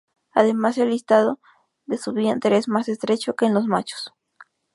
Además el listado de su vientre es más estrecho que en los machos.